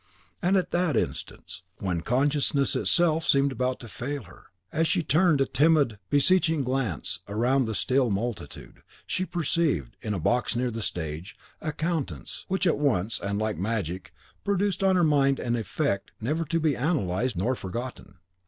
At that instant, and when consciousness itself seemed about to fail her, as she turned a timid beseeching glance around the still multitude, she perceived, in a box near the stage, a countenance which at once, and like magic, produced on her mind an effect never to be analysed nor forgotten.